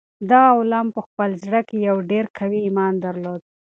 دغه غلام په خپل زړه کې یو ډېر قوي ایمان درلود.